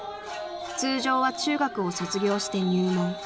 ［通常は中学を卒業して入門］